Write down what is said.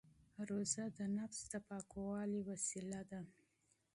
روژه د نفس د پاکوالي لاره ده.